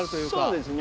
そうです。